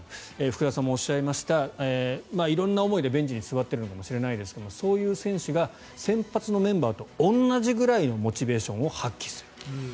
福田さんもおっしゃいました色んな思いでベンチに座っているのかもしれませんがそういう選手が先発のメンバーと同じぐらいのモチベーションを発揮する。